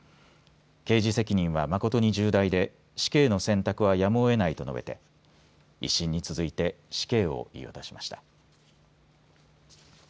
刑事責任は誠に重大で死刑の選択はやむをえないと述べて１審に続いて死刑を言い渡しました。